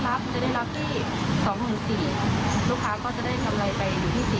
รับจะได้รับที่สองบาทสิบลูกค้าก็จะได้เข้าอะไรไป